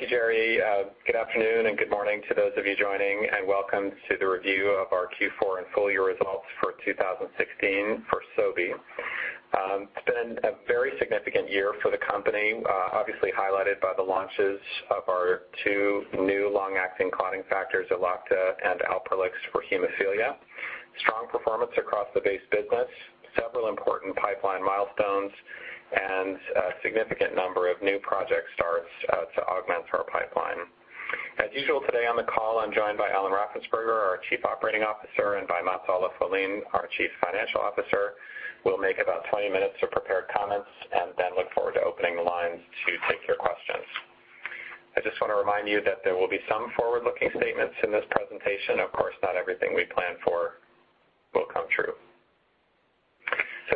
Thank you, Jerry. Good afternoon and good morning to those of you joining, and welcome to the review of our Q4 and full-year results for 2016 for Sobi. It's been a very significant year for the company, obviously highlighted by the launches of our two new long-acting clotting factors, Elocta and Alprolix for hemophilia, strong performance across the base business, several important pipeline milestones, and a significant number of new project starts to augment our pipeline. As usual, today on the call, I'm joined by Alan Raffensperger, our Chief Operating Officer, and by Mats-Olof Wallin, our Chief Financial Officer. We'll make about 20 minutes of prepared comments and then look forward to opening the lines to take your questions. I just want to remind you that there will be some forward-looking statements in this presentation. Of course, not everything we plan for will come true.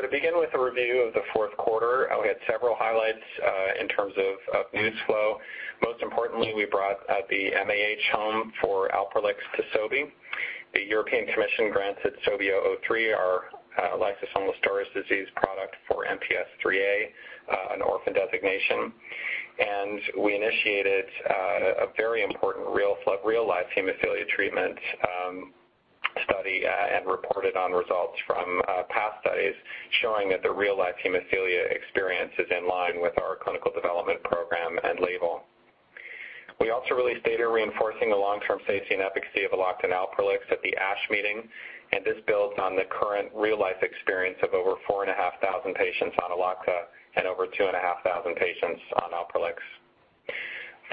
To begin with a review of the fourth quarter, we had several highlights in terms of news flow. Most importantly, we brought the MAH home for Alprolix to Sobi. The European Commission granted SOBI003, our lysosomal storage disease product for MPS IIIA, an orphan drug designation. We initiated a very important real-life hemophilia treatment study and reported on results from past studies showing that the real-life hemophilia experience is in line with our clinical development program and label. We also released data reinforcing the long-term safety and efficacy of Elocta and Alprolix at the ASH meeting, and this builds on the current real-life experience of over 4,500 patients on Elocta and over 2,500 patients on Alprolix.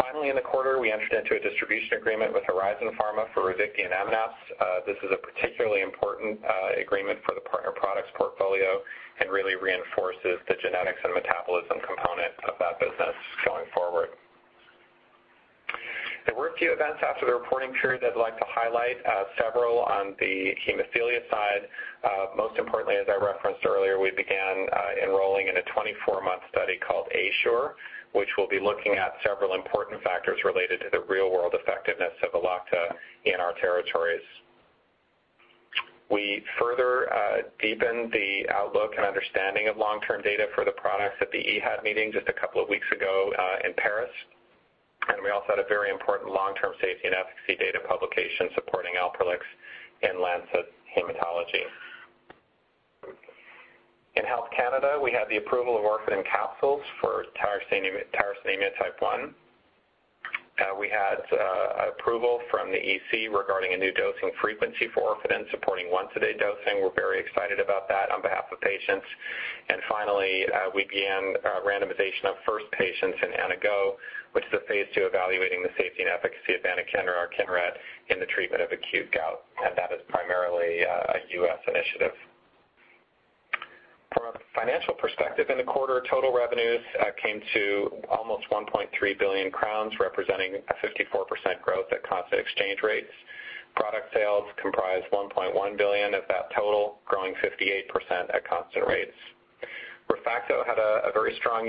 Finally, in the quarter, we entered into a distribution agreement with Horizon Pharma for Ravicti and Ammonaps. This is a particularly important agreement for the partner products portfolio and really reinforces the genetics and metabolism component of that business going forward. There were a few events after the reporting period that I'd like to highlight, several on the hemophilia side. Most importantly, as I referenced earlier, we began enrolling in a 24-month study called AURE, which will be looking at several important factors related to the real-world effectiveness of Elocta in our territories. We further deepened the outlook and understanding of long-term data for the products at the EAHAD meeting just a couple of weeks ago in Paris, and we also had a very important long-term safety and efficacy data publication supporting Alprolix in "The Lancet Haematology." In Health Canada, we had the approval of Orfadin capsules for tyrosinemia type 1. We had approval from the European Commission regarding a new dosing frequency for Orfadin, supporting once-a-day dosing. We're very excited about that on behalf of patients. Finally, we began randomization of first patients in anaGO, which is a phase II evaluating the safety and efficacy of anakinra or Kineret in the treatment of acute gout, and that is primarily a U.S. initiative. From a financial perspective in the quarter, total revenues came to almost 1.3 billion crowns, representing a 54% growth at constant exchange rates. Product sales comprised 1.1 billion of that total, growing 58% at constant rates. ReFacto had a very strong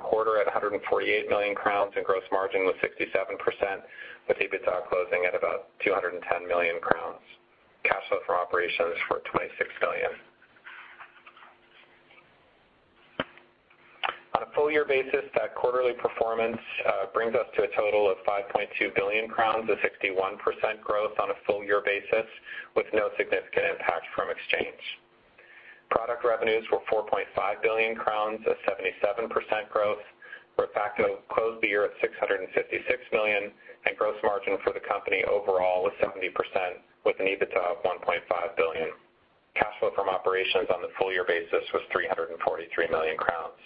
quarter at 148 million crowns, and gross margin was 67%, with EBITDA closing at about 210 million crowns. Cash flow from operations for 26 million. On a full-year basis, that quarterly performance brings us to a total of 5.2 billion crowns, a 61% growth on a full-year basis, with no significant impact from exchange. Product revenues were 4.5 billion crowns, a 77% growth. ReFacto closed the year at 656 million, and gross margin for the company overall was 70%, with an EBITDA of 1.5 billion. Cash flow from operations on the full-year basis was 343 million crowns.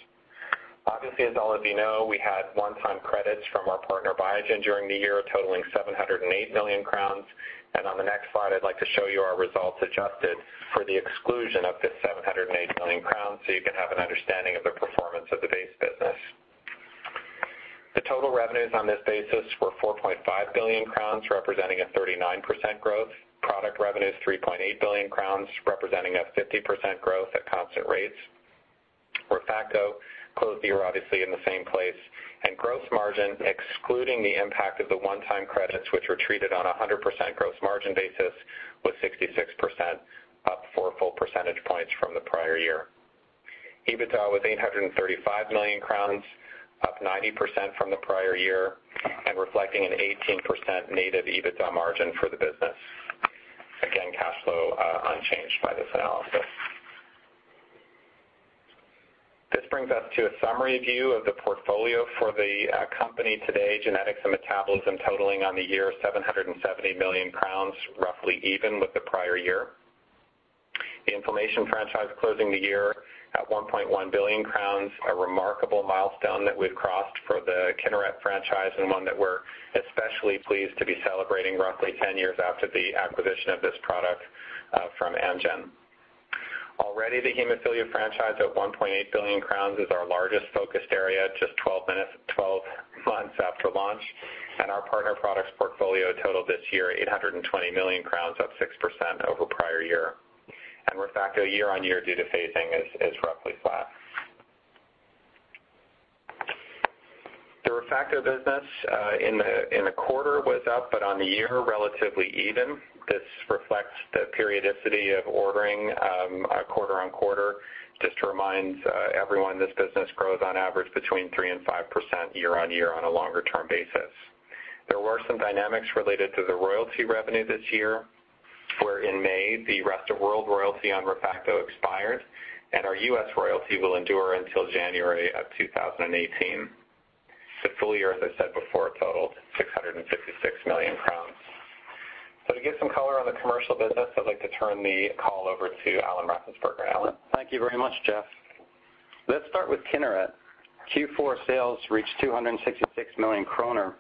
Obviously, as all of you know, we had one-time credits from our partner Biogen during the year, totaling 708 million crowns. On the next slide, I'd like to show you our results adjusted for the exclusion of this 708 million crowns so you can have an understanding of the performance of the base business. The total revenues on this basis were 4.5 billion crowns, representing a 39% growth. Product revenues, 3.8 billion crowns, representing a 50% growth at constant rates. ReFacto closed the year obviously in the same place. Gross margin, excluding the impact of the one-time credits, which were treated on 100% gross margin basis, was 66%, up four full percentage points from the prior year. EBITDA was 835 million crowns, up 90% from the prior year and reflecting an 18% native EBITDA margin for the business. Again, cash flow unchanged by this analysis. This brings us to a summary view of the portfolio for the company today, genetics and metabolism totaling on the year SEK 770 million, roughly even with the prior year. The inflammation franchise closing the year at 1.1 billion crowns, a remarkable milestone that we've crossed for the Kineret franchise and one that we're especially pleased to be celebrating roughly 10 years after the acquisition of this product from Amgen. Already, the hemophilia franchise at 1.8 billion crowns is our largest focused area, just 12 months after launch. Our partner products portfolio totaled this year 820 million crowns, up 6% over prior year. ReFacto year-on-year due to phasing is roughly flat. The ReFacto business in the quarter was up, but on the year, relatively even. This reflects the periodicity of ordering quarter-on-quarter. Just to remind everyone, this business grows on average between 3% and 5% year-on-year on a longer-term basis. There were some dynamics related to the royalty revenue this year, where in May, the rest of world royalty on ReFacto expired, and our U.S. royalty will endure until January 2018. The full year, as I said before, totaled 656 million crowns. To give some color on the commercial business, I'd like to turn the call over to Alan Raffensperger. Alan? Thank you very much, Jeff. Let's start with Kineret. Q4 sales reached 266 million kronor,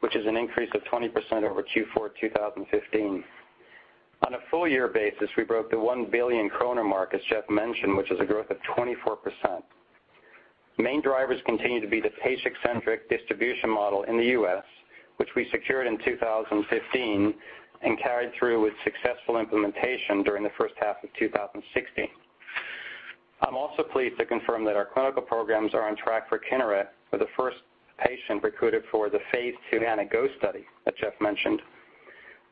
which is an increase of 20% over Q4 2015. On a full year basis, we broke the 1 billion kronor mark, as Jeff mentioned, which is a growth of 24%. Main drivers continue to be the patient-centric distribution model in the U.S., which we secured in 2015 and carried through with successful implementation during the first half 2016. I'm also pleased to confirm that our clinical programs are on track for Kineret, with the first patient recruited for the phase II anaGO study that Jeff mentioned.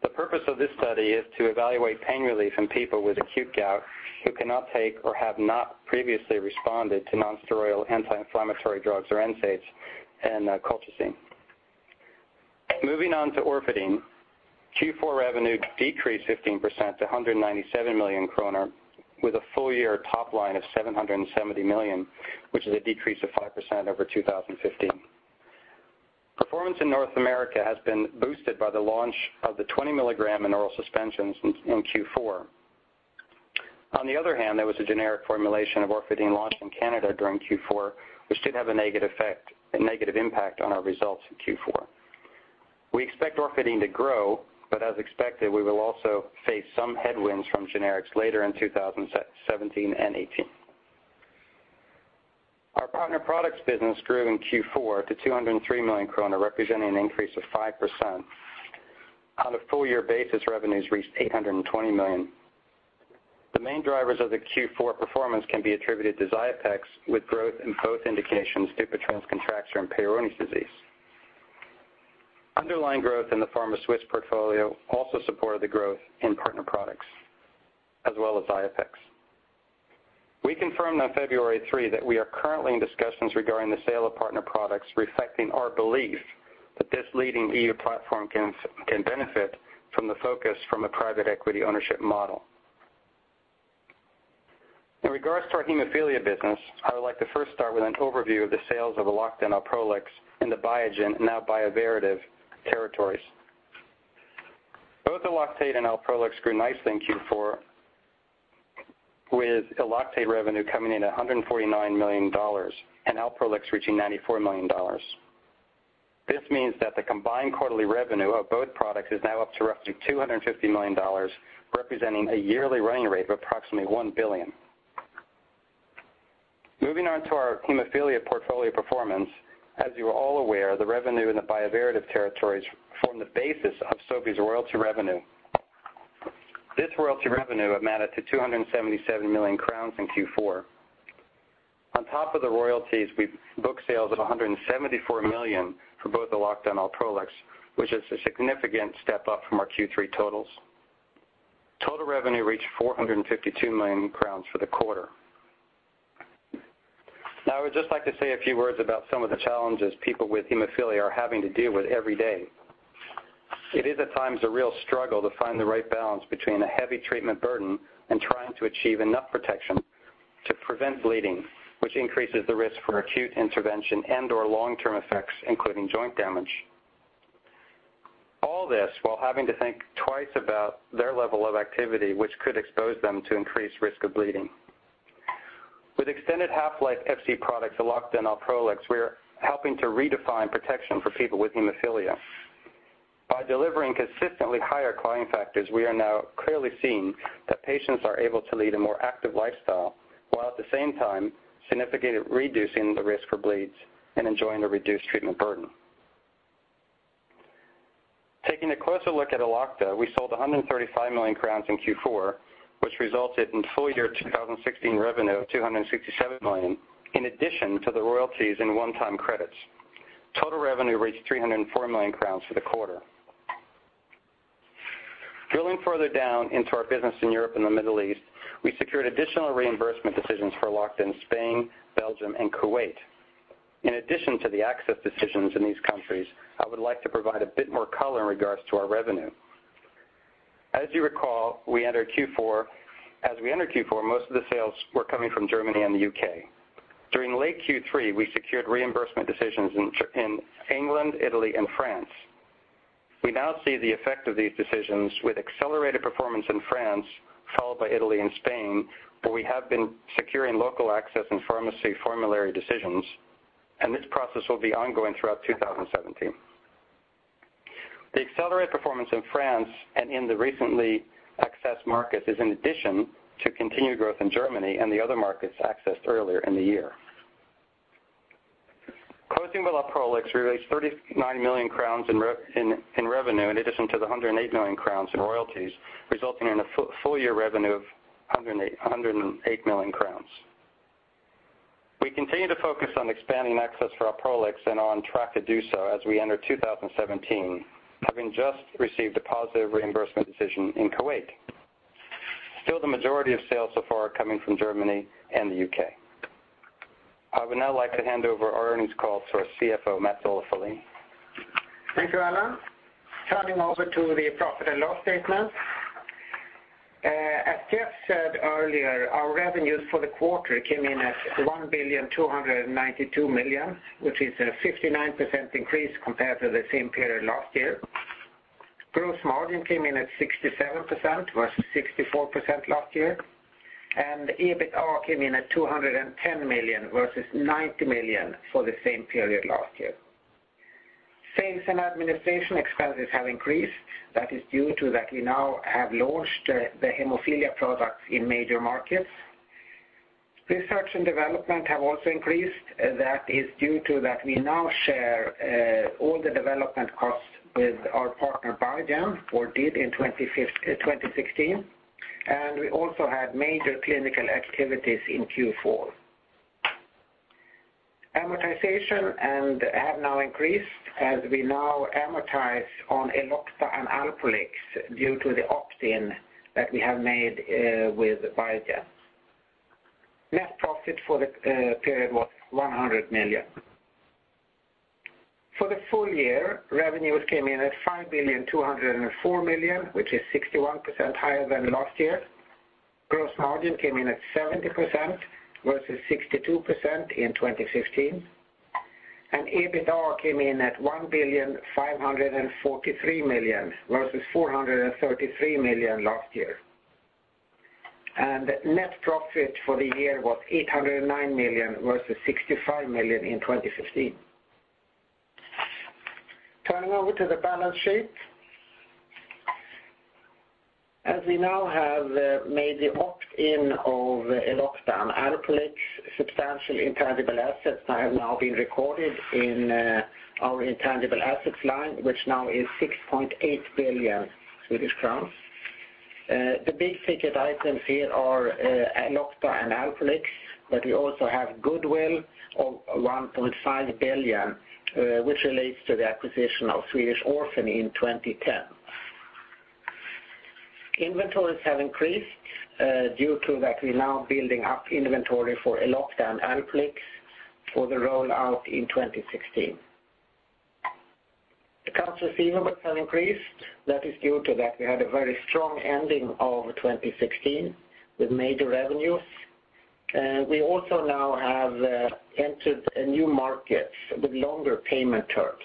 The purpose of this study is to evaluate pain relief in people with acute gout who cannot take or have not previously responded to nonsteroidal anti-inflammatory drugs, or NSAIDs, and colchicine. Moving on to Orfadin, Q4 revenue decreased 15% to 197 million kronor with a full year top line of 770 million, which is a decrease of 5% over 2015. Performance in North America has been boosted by the launch of the 20 milligram in oral suspensions in Q4. On the other hand, there was a generic formulation of Orfadin launched in Canada during Q4, which did have a negative impact on our results in Q4. We expect Orfadin to grow, but as expected, we will also face some headwinds from generics later in 2017 and 2018. Our Partner Products business grew in Q4 to 203 million krona, representing an increase of 5%. On a full year basis, revenues reached 820 million. The main drivers of the Q4 performance can be attributed to Xiapex with growth in both indications, Dupuytren's contracture and Peyronie's disease. Underlying growth in the PharmaSwiss portfolio also supported the growth in Partner Products, as well as Xiapex. We confirmed on February 3 that we are currently in discussions regarding the sale of Partner Products, reflecting our belief that this leading EU platform can benefit from the focus from a private equity ownership model. In regards to our hemophilia business, I would like to first start with an overview of the sales of Elocta and Alprolix in the Biogen, now Bioverativ, territories. Both Elocta and Alprolix grew nicely in Q4, with Elocta revenue coming in at $149 million and Alprolix reaching $94 million. This means that the combined quarterly revenue of both products is now up to roughly $250 million, representing a yearly running rate of approximately $1 billion. Moving on to our hemophilia portfolio performance, as you are all aware, the revenue in the Bioverativ territories form the basis of Sobi's royalty revenue. This royalty revenue amounted to 277 million crowns in Q4. On top of the royalties, we've booked sales of 174 million for both Elocta and Alprolix, which is a significant step up from our Q3 totals. Total revenue reached 452 million crowns for the quarter. Now, I would just like to say a few words about some of the challenges people with hemophilia are having to deal with every day. It is at times a real struggle to find the right balance between a heavy treatment burden and trying to achieve enough protection to prevent bleeding, which increases the risk for acute intervention and/or long-term effects, including joint damage. All this while having to think twice about their level of activity, which could expose them to increased risk of bleeding. With extended half-life Fc products, Elocta and Alprolix, we are helping to redefine protection for people with hemophilia. By delivering consistently higher clotting factors, we are now clearly seeing that patients are able to lead a more active lifestyle, while at the same time significantly reducing the risk for bleeds and enjoying a reduced treatment burden. Taking a closer look at Elocta, we sold 135 million crowns in Q4, which resulted in full year 2016 revenue of 267 million, in addition to the royalties and one-time credits. Total revenue reached 304 million crowns for the quarter. Drilling further down into our business in Europe and the Middle East, we secured additional reimbursement decisions for Elocta in Spain, Belgium, and Kuwait. In addition to the access decisions in these countries, I would like to provide a bit more color in regards to our revenue. As we entered Q4, most of the sales were coming from Germany and the U.K. During late Q3, we secured reimbursement decisions in England, Italy, and France. We now see the effect of these decisions with accelerated performance in France, followed by Italy and Spain, where we have been securing local access and pharmacy formulary decisions, and this process will be ongoing throughout 2017. The accelerated performance in France and in the recently accessed markets is in addition to continued growth in Germany and the other markets accessed earlier in the year. Closing with Alprolix, we raised 39 million crowns in revenue in addition to the 108 million crowns in royalties, resulting in a full year revenue of 108 million crowns. We continue to focus on expanding access for Alprolix and are on track to do so as we enter 2017, having just received a positive reimbursement decision in Kuwait. Still, the majority of sales so far are coming from Germany and the U.K. I would now like to hand over our earnings call to our CFO, Mats-Olof Wallin. Thank you, Alan. Turning over to the profit and loss statement. As Jeff said earlier, our revenues for the quarter came in at 1,292,000,000, which is a 59% increase compared to the same period last year. Gross margin came in at 67%, versus 64% last year. EBITA came in at 210 million versus 90 million for the same period last year. Sales and administration expenses have increased. That is due to that we now have launched the hemophilia products in major markets. Research and development have also increased. That is due to that we now share all the development costs with our partner, Biogen, or did in 2016. We also had major clinical activities in Q4. Amortization have now increased as we now amortize on Elocta and Alprolix due to the opt-in that we have made with Biogen. Net profit for the period was 100 million. For the full year, revenues came in at 5,204,000,000, which is 61% higher than last year. Gross margin came in at 70%, versus 62% in 2015. EBITA came in at 1,543,000,000, versus 433 million last year. Net profit for the year was 809 million, versus 65 million in 2015. Turning over to the balance sheet. As we now have made the opt-in of Elocta and Alprolix, substantial intangible assets have now been recorded in our intangible assets line, which now is 6.8 billion Swedish crowns. The big-ticket items here are Elocta and Alprolix, but we also have goodwill of 1.5 billion, which relates to the acquisition of Swedish Orphan in 2010. Inventories have increased due to that we're now building up inventory for Elocta and Alprolix for the rollout in 2016. Accounts receivable have increased. That is due to that we had a very strong ending of 2016 with major revenues. We also now have entered new markets with longer payment terms.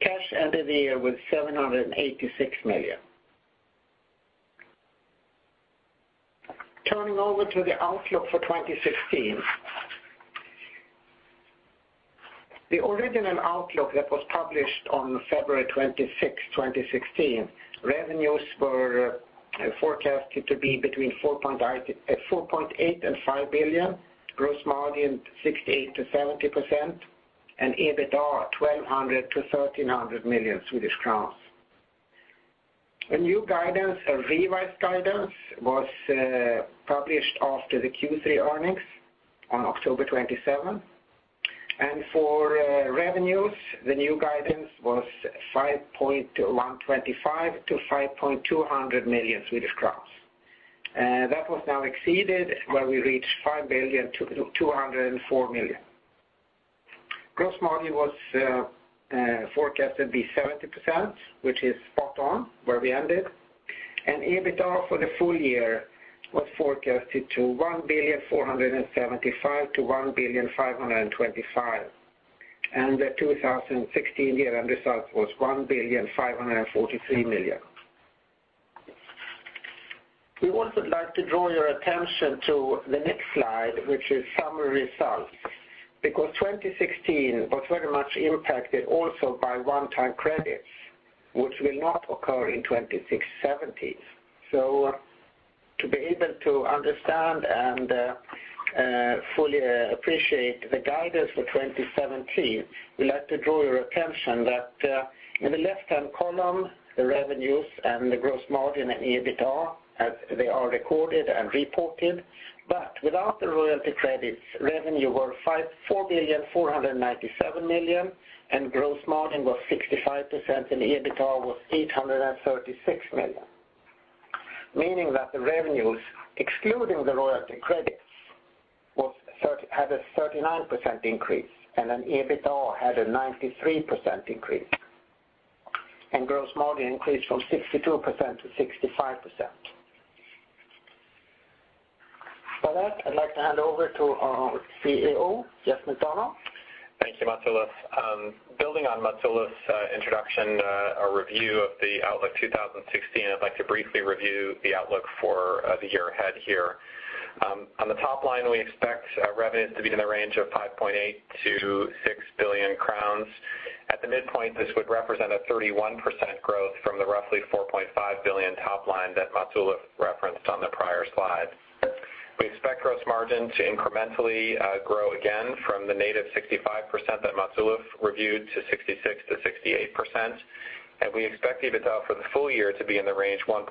Cash ended the year with 786 million. Turning over to the outlook for 2016. The original outlook that was published on February 26th, 2016, revenues were forecasted to be between 4.8 billion and 5 billion, gross margin 68%-70%, EBITA 1,200 million-1,300 million Swedish crowns. A new guidance, a revised guidance, was published after the Q3 earnings on October 27. For revenues, the new guidance was 5.125 million-5.200 million Swedish crowns. That was now exceeded when we reached 5,204,000,000. Gross margin was forecasted to be 70%, which is spot on where we ended. EBITA for the full year was forecasted to 1,475 million-1,525 million. The 2016 year-end result was 1,543,000,000. We also would like to draw your attention to the next slide, which is summary results. Because 2016 was very much impacted also by one-time credits, which will not occur in 2017. To be able to understand and fully appreciate the guidance for 2017, we'd like to draw your attention that in the left-hand column, the revenues and the gross margin and EBITA as they are recorded and reported. Without the royalty credits, revenue were 4,497,000,000, gross margin was 65%, EBITA was 836 million. Meaning that the revenues, excluding the royalty credits, had a 39% increase, EBITA had a 93% increase. Gross margin increased from 62%-65%. For that, I'd like to hand over to our CEO, Jeff McDonald. Thank you, Mats-Olof. Building on Mats-Olof's introduction, a review of the outlook 2016, I'd like to briefly review the outlook for the year ahead here. On the top line, we expect revenues to be in the range of 5.8 billion-6 billion crowns. At the midpoint, this would represent a 31% growth from the roughly 4.5 billion top line that Mats-Olof referenced on the prior slide. We expect gross margin to incrementally grow again from the native 65% that Mats-Olof reviewed to 66%-68%. We expect EBITA for the full year to be in the range 1.6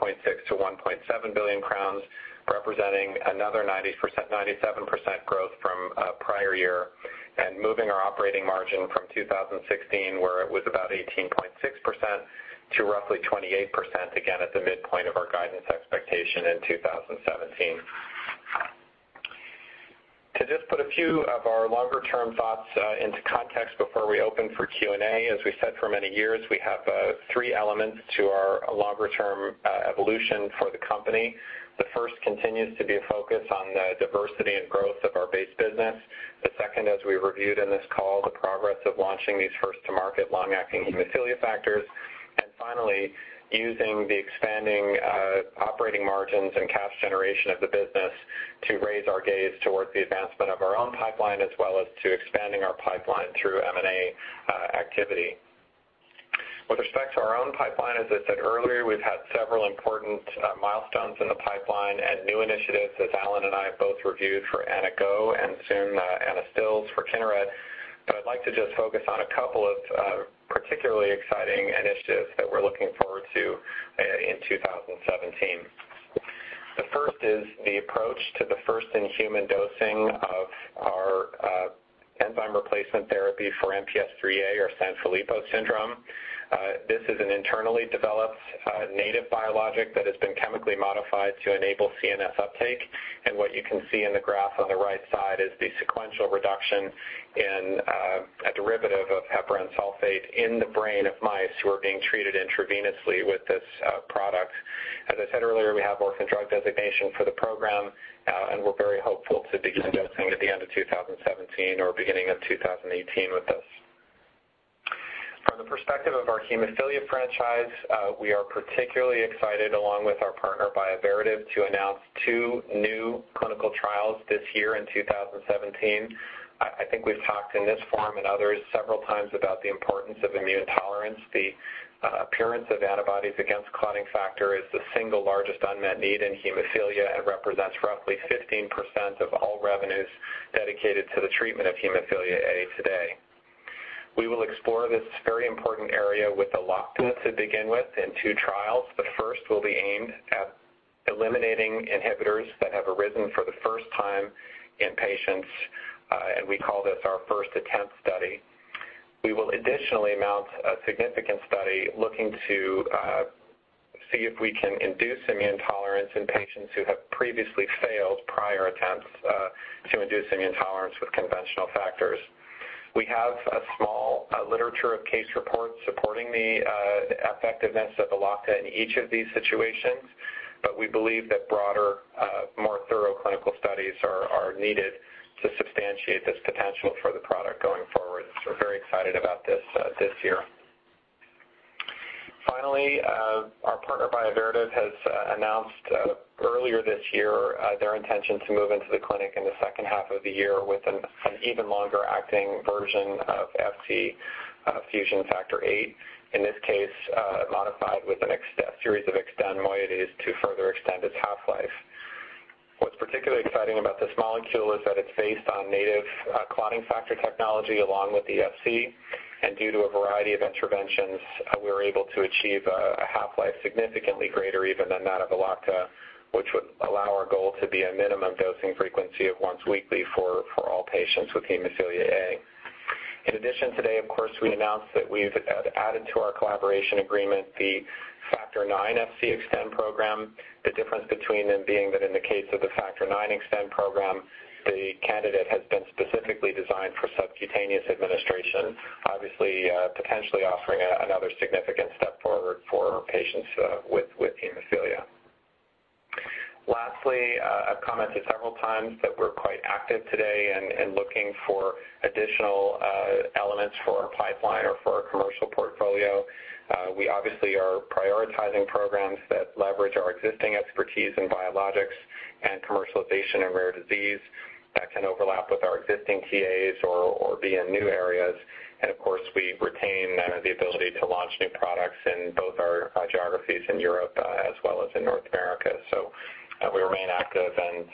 billion-1.7 billion crowns, representing another 97% growth from prior year. Moving our operating margin from 2016, where it was about 18.6% to roughly 28%, again, at the midpoint of our guidance expectation in 2017. To just put a few of our longer-term thoughts into context before we open for Q&A, as we said, for many years, we have three elements to our longer-term evolution for the company. The first continues to be a focus on the diversity and growth of our base business. The second, as we reviewed in this call, the progress of launching these first-to-market long-acting hemophilia factors. Finally, using the expanding operating margins and cash generation of the business to raise our gaze towards the advancement of our own pipeline, as well as to expanding our pipeline through M&A activity. With respect to our own pipeline, as I said earlier, we've had several important milestones in the pipeline and new initiatives, as Alan and I have both reviewed for anaGO and soon anaSTILLs for Kineret. I'd like to just focus on a couple of particularly exciting initiatives that we're looking forward to in 2017. The first is the approach to the first-in-human dosing of our enzyme replacement therapy for MPS IIIA, or Sanfilippo syndrome. This is an internally developed native biologic that has been chemically modified to enable CNS uptake, and what you can see in the graph on the right side is the sequential reduction in a derivative of heparan sulfate in the brain of mice who are being treated intravenously with this product. As I said earlier, we have orphan drug designation for the program, and we're very hopeful to begin dosing at the end of 2017 or beginning of 2018 with this. From the perspective of our hemophilia franchise, we are particularly excited, along with our partner, Bioverativ, to announce two new clinical trials this year in 2017. I think we've talked in this forum and others several times about the importance of immune tolerance. The appearance of antibodies against clotting factor is the single largest unmet need in hemophilia and represents roughly 15% of all revenues dedicated to the treatment of hemophilia A today. We will explore this very important area with Elocta to begin with in two trials. The first will be aimed at eliminating inhibitors that have arisen for the first time in patients, and we call this our first attempt study. We will additionally mount a significant study looking to see if we can induce immune tolerance in patients who have previously failed prior attempts to induce immune tolerance with conventional factors. We have a small literature of case reports supporting the effectiveness of Elocta in each of these situations. We believe that broader, more thorough clinical studies are needed to substantiate this potential for the product going forward. We're very excited about this year. Finally, our partner, Bioverativ, has announced earlier this year their intention to move into the clinic in the second half of the year with an even longer-acting version of Fc fusion factor VIII. In this case, modified with a series of XTEN moieties to further extend its half-life. What's particularly exciting about this molecule is that it's based on native clotting factor technology along with the Fc, and due to a variety of interventions, we were able to achieve a half-life significantly greater even than that of Elocta. Which would allow our goal to be a minimum dosing frequency of once weekly for all patients with hemophilia A. In addition, today, of course, we announced that we've added to our collaboration agreement the factor IX Fc-XTEN program. The difference between them being that in the case of the factor IX XTEN program, the candidate has been specifically designed for subcutaneous administration. Obviously, potentially offering another significant step forward for patients with hemophilia. Lastly, I've commented several times that we're quite active today in looking for additional elements for our pipeline or for our commercial portfolio. We obviously are prioritizing programs that leverage our existing expertise in biologics and commercialization of rare disease that can overlap with our existing TAs or be in new areas. Of course, we retain the ability to launch new products in both our geographies in Europe as well as in North America. We remain active and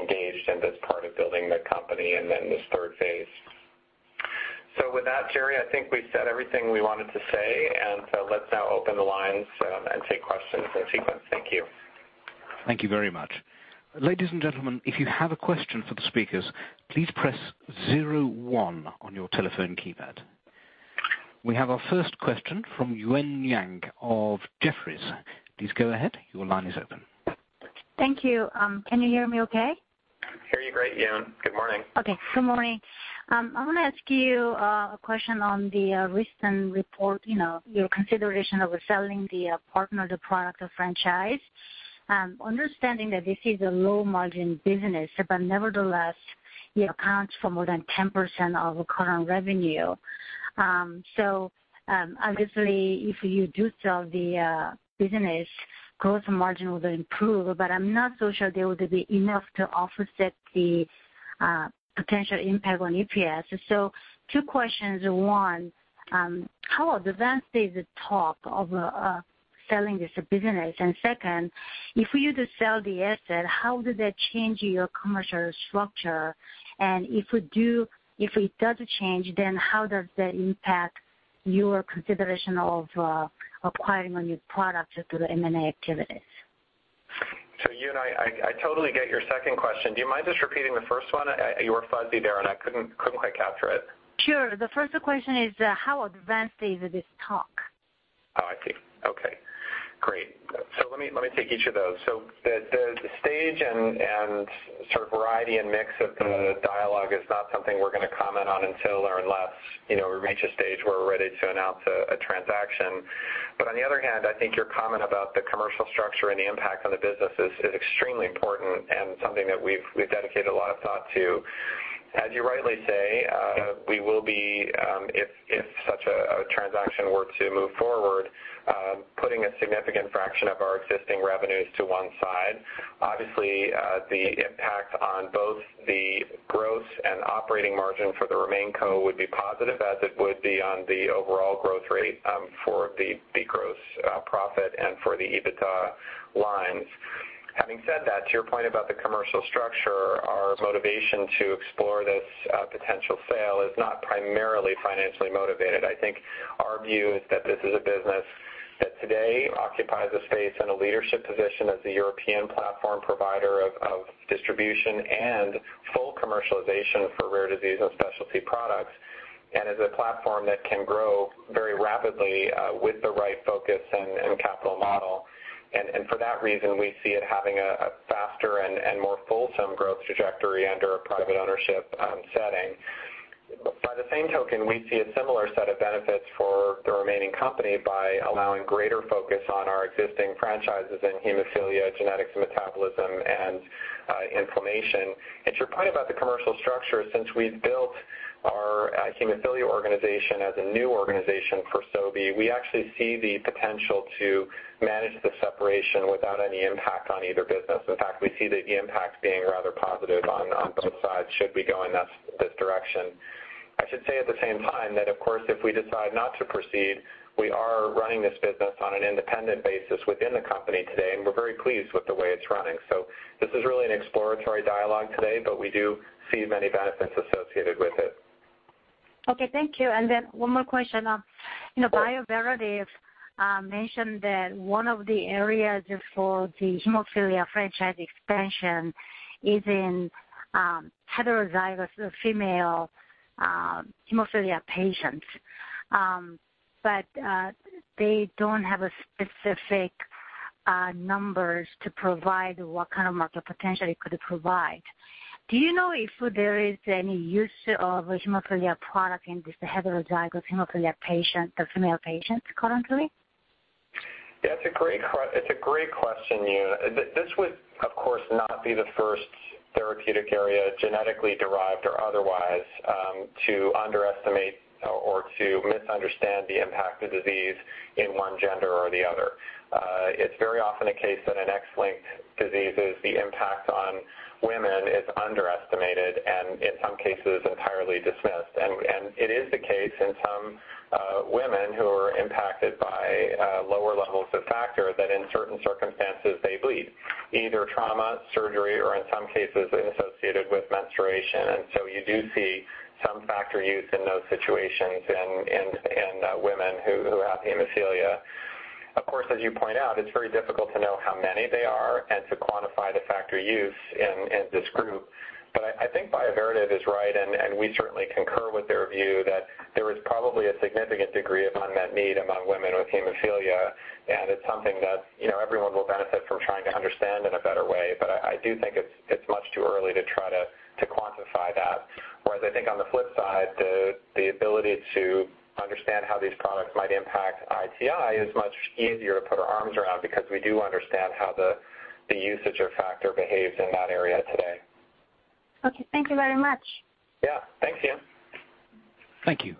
engaged in this part of building the company and in this third phase. With that, Jerry, I think we've said everything we wanted to say, and so let's now open the lines and take questions in sequence. Thank you. Thank you very much. Ladies and gentlemen, if you have a question for the speakers, please press zero one on your telephone keypad. We have our first question from Eun Yang of Jefferies. Please go ahead. Your line is open. Thank you. Can you hear me okay? Hear you great, Yoon. Good morning. Okay. Good morning. I want to ask you a question on the recent report, your consideration of selling the partner, the product or franchise. Understanding that this is a low-margin business, but nevertheless, it accounts for more than 10% of current revenue. Obviously, if you do sell the business, gross margin will then improve, but I'm not so sure they would be enough to offset the potential impact on EPS. Two questions. One, how advanced is the talk of selling this business? Second, if you were to sell the asset, how does that change your commercial structure? If it does change, how does that impact your consideration of acquiring a new product through the M&A activities? Yoon, I totally get your second question. Do you mind just repeating the first one? You were fuzzy there, I couldn't quite capture it. Sure. The first question is, how advanced is this talk? I see. Okay, great. Let me take each of those. The stage and sort of variety and mix of the dialogue is not something we're going to comment on until or unless we reach a stage where we're ready to announce a transaction. On the other hand, I think your comment about the commercial structure and the impact on the business is extremely important and something that we've dedicated a lot of thought to. As you rightly say, we will be, if such a transaction were to move forward, putting a significant fraction of our existing revenues to one side. Obviously, the impact on both the gross and operating margin for the remain co would be positive, as it would be on the overall growth rate for the gross profit and for the EBITDA lines. Having said that, to your point about the commercial structure, our motivation to explore this potential sale is not primarily financially motivated. I think our view is that this is a business that today occupies a space and a leadership position as a European platform provider of distribution and full commercialization for rare disease and specialty products, and is a platform that can grow very rapidly with the right focus and capital model. For that reason, we see it having a faster and more fulsome growth trajectory under a private ownership setting. By the same token, we see a similar set of benefits for the remaining company by allowing greater focus on our existing franchises in hemophilia, genetics and metabolism, and inflammation. To your point about the commercial structure, since we've built our hemophilia organization as a new organization for Sobi, we actually see the potential to manage the separation without any impact on either business. In fact, we see the impact being rather positive on both sides should we go in this direction. I should say at the same time that, of course, if we decide not to proceed, we are running this business on an independent basis within the company today, and we're very pleased with the way it's running. This is really an exploratory dialogue today, but we do see many benefits associated with it. Okay. Thank you. One more question. Bioverativ mentioned that one of the areas for the hemophilia franchise expansion is in heterozygous female hemophilia patients. They don't have specific numbers to provide what kind of market potential it could provide. Do you know if there is any use of a hemophilia product in this heterozygous hemophilia patient, the female patients currently? It's a great question, Yoon. This would, of course, not be the first therapeutic area, genetically derived or otherwise, to underestimate or to misunderstand the impact of disease in one gender or the other. It's very often a case that in X-linked diseases, the impact on women is underestimated and, in some cases, entirely dismissed. It is the case in some women who are impacted by lower levels of factor that in certain circumstances they bleed, either trauma, surgery, or in some cases associated with menstruation. You do see some factor use in those situations in women who have hemophilia. Of course, as you point out, it's very difficult to know how many they are and to quantify the factor use in this group. I think Bioverativ is right, and we certainly concur with their view that there is probably a significant degree of unmet need among women with hemophilia, and it's something that everyone will benefit from trying to understand in a better way. I do think it's much too early to try to quantify that, whereas I think on the flip side, the ability to understand how these products might impact ITI is much easier to put our arms around because we do understand how the usage of factor behaves in that area today. Okay. Thank you very much. Yeah. Thanks, Yoon. Thank you.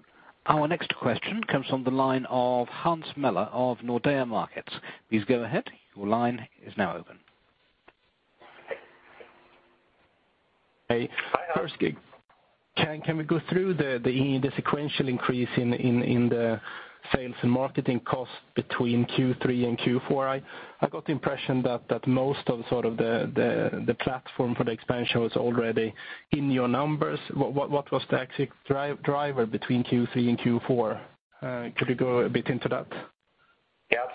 Our next question comes from the line of Hans Mähler of Nordea Markets. Please go ahead. Your line is now open. Hey. Hi, Hans. First, can we go through the sequential increase in the sales and marketing cost between Q3 and Q4? I got the impression that most of the sort of the platform for the expansion was already in your numbers. What was the actual driver between Q3 and Q4? Could you go a bit into that?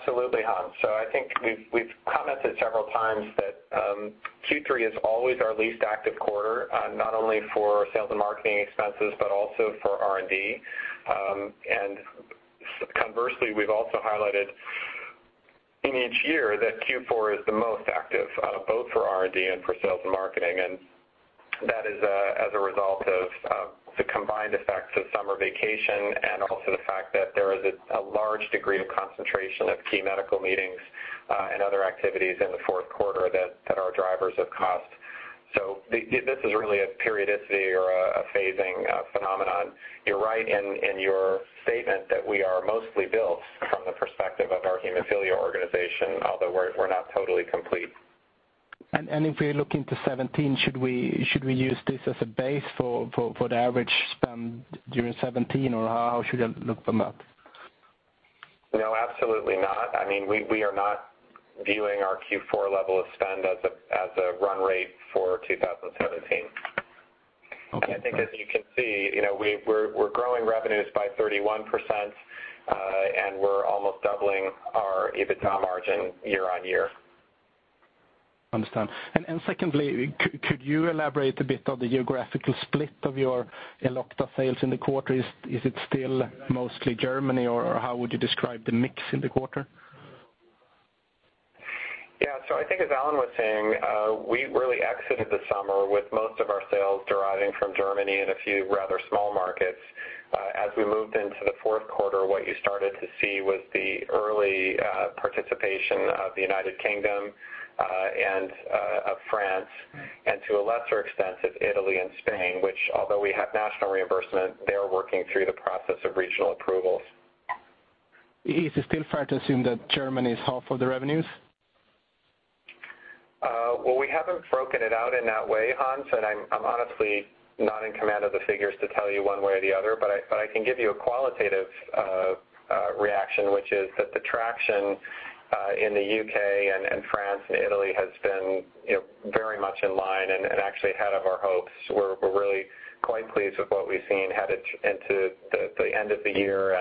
Yeah, absolutely, Hans. I think we've commented several times that Q3 is always our least active quarter, not only for sales and marketing expenses, but also for R&D. Conversely, we've also highlighted in each year that Q4 is the most active, both for R&D and for sales and marketing, and that is as a result of the combined effects of summer vacation and also the fact that there is a large degree of concentration of key medical meetings and other activities in the fourth quarter that are drivers of cost. This is really a periodicity or a phasing phenomenon. You're right in your statement that we are mostly built from the perspective of our hemophilia organization, although we're not totally complete. If we look into 2017, should we use this as a base for the average spend during 2017, or how should I look them up? No, absolutely not. I mean, we are not viewing our Q4 level of spend as a run rate for 2017. I think as you can see, we're growing revenues by 31% and we're almost doubling our EBITDA margin year-on-year. Understand. Secondly, could you elaborate a bit on the geographical split of your Elocta sales in the quarter? Is it still mostly Germany, or how would you describe the mix in the quarter? Yeah. I think as Alan was saying, we really exited the summer with most of our sales deriving from Germany and a few rather small markets. As we moved into the fourth quarter, what you started to see was the early participation of the United Kingdom and of France, and to a lesser extent, of Italy and Spain, which although we have national reimbursement, they are working through the process of regional approvals. Is it still fair to assume that Germany is half of the revenues? Well, we haven't broken it out in that way, Hans. I'm honestly not in command of the figures to tell you one way or the other. I can give you a qualitative reaction, which is that the traction in the U.K. and France and Italy has been very much in line and actually ahead of our hopes. We're really quite pleased with what we've seen headed into the end of the year.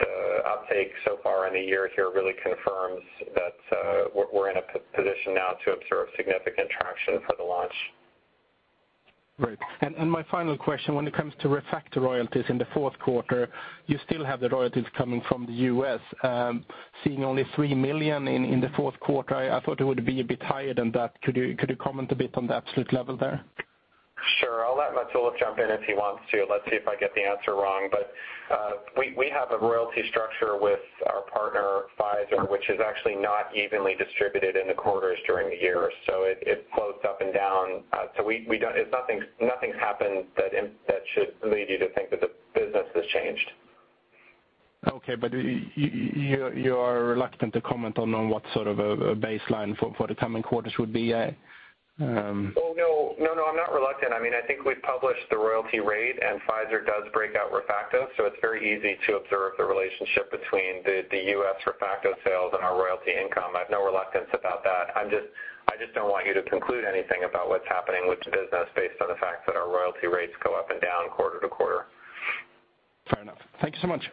The uptake so far in the year here really confirms that we're in a position now to observe significant traction for the launch. Great. My final question, when it comes to ReFacto royalties in the fourth quarter, you still have the royalties coming from the U.S. Seeing only 3 million in the fourth quarter, I thought it would be a bit higher than that. Could you comment a bit on the absolute level there? Sure. I'll let Mats-Olof jump in if he wants to. Let's see if I get the answer wrong. We have a royalty structure with our partner, Pfizer, which is actually not evenly distributed in the quarters during the year, so it floats up and down. Nothing's happened that should lead you to think that the business has changed. Okay, but you are reluctant to comment on what sort of a baseline for the coming quarters would be, yeah? No, I'm not reluctant. I think we've published the royalty rate, and Pfizer does break out ReFacto, so it's very easy to observe the relationship between the U.S. ReFacto sales and our royalty income. I have no reluctance about that. I just don't want you to conclude anything about what's happening with the business based on the fact that our royalty rates go up and down quarter-to-quarter. Fair enough. Thank you so much.